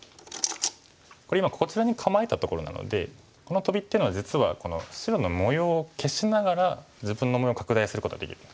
これ今こちらに構えたところなのでこのトビっていうのは実はこの白の模様を消しながら自分の模様を拡大することができる。